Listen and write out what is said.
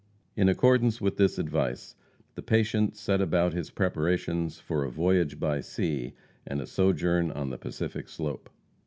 In accordance with this advice, the patient set about his preparations for a voyage by sea, and a sojourn on the Pacific slope.